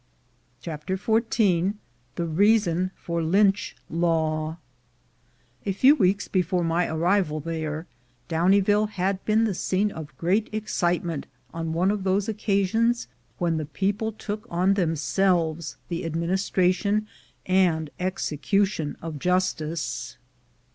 CHAPTER XIV THE REASON FOR LYNCH LAW A FEW weeks before my arrival there, Downieville had been the scene of great excitement on one of those occasions when the people took on them selves the administration and execution of justice.